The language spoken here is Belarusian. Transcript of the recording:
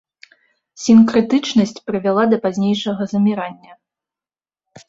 Сінкрэтычнасць прывяла да пазнейшага замірання.